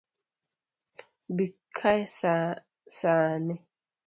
Bii kae saa ni